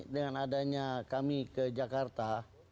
dengan adanya kami ke jakarta